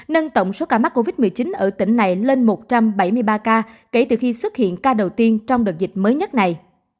đợt bùng phát covid một mươi chín ở tỉnh này lên một trăm bảy mươi ba ca kể từ khi xuất hiện ca đầu tiên trong đợt dịch mới nhất này